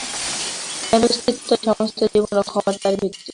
এর অস্তিত্বই সমস্ত জীবন এবং ক্ষমতার ভিত্তি।